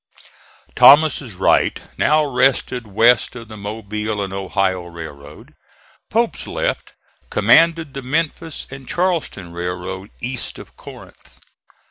Thomas' right now rested west of the Mobile and Ohio railroad. Pope's left commanded the Memphis and Charleston railroad east of Corinth.